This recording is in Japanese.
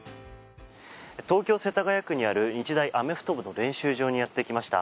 東京・世田谷区にある日大アメフト部の練習場にやってきました。